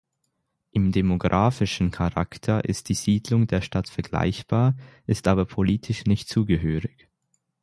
Im demographischen Charakter ist die Siedlung der Stadt vergleichbar, ist aber politisch nicht zugehörig.